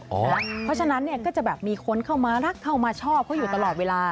เพราะฉะนั้นเนี่ยก็จะแบบมีคนเข้ามารักเข้ามาชอบเขาอยู่ตลอดเวลา